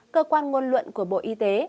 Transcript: cơ quan ngôn luận của bộ y tế